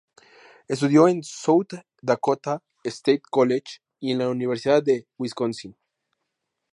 Estudió en South Dakota State College y en la Universidad de Wisconsin.